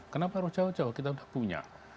kenapa harus jauh jauh kita sudah punya